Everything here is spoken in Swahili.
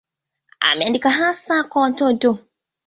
Ameandika hasa kwa watoto.